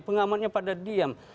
pengamannya pada diam